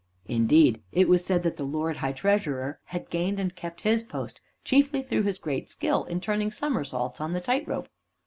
Indeed, it was said that the Lord High Treasurer had gained and kept his post chiefly through his great skill in turning somersaults on the tight rope.